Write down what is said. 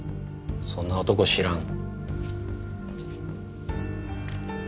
そんな男知らん。